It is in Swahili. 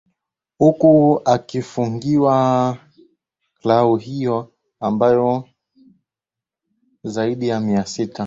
huku akiifungia klau hiyo mabao zaidi ya mia sita